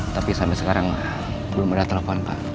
tapi sampai sekarang belum ada telepon pak